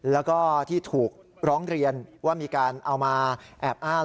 แล้วก็ที่ถูกร้องเรียนว่ามีการเอามาแอบอ้าง